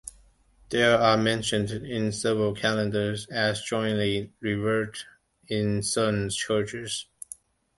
They are mentioned in several calendars as jointly revered in certain churches.